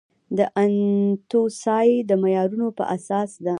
د انتوسای د معیارونو په اساس ده.